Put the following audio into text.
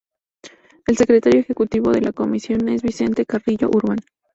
El Secretario Ejecutivo de la Comisión es Vicente Carrillo Urban.